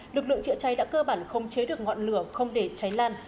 lực lượng chữa cháy đã cơ bản không chế được ngọn lửa không để cháy lan